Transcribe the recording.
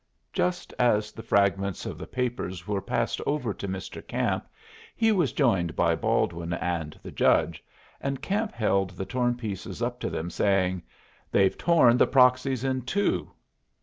Just as the fragments of the papers were passed over to Mr. Camp, he was joined by Baldwin and the judge, and Camp held the torn pieces up to them, saying, "They've torn the proxies in two."